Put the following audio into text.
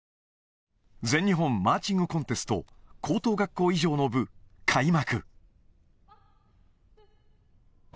全日本マーチングコンテスト、高等学校以上の部開幕。